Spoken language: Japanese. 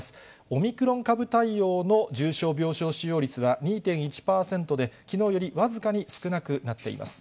オミクロン株対応の重症病床使用率は２．１％で、きのうより僅かに少なくなっています。